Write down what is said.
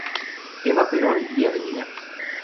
Eva Perón y Av.